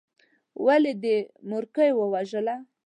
ولې دې مورکۍ ووژله.